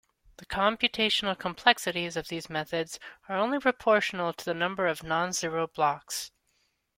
The computational complexities of these methods are only proportional to the number of non-zero blocks.